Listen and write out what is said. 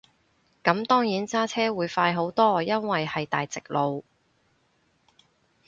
咁當然揸車會快好多，因為係大直路